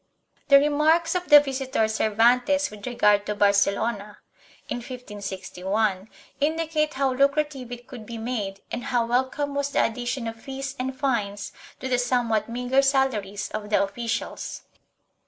The remarks of the Visitor Cer vantes with regard to Barcelona, in 1561 (p. 468), indicate how lucrative it could be made and how welcome was the addition of fees and fines to the somewhat meagre salaries of the officials.